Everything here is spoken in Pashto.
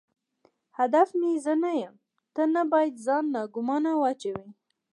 هدف مې زه نه یم، ته نه باید ځان ناګومانه واچوې.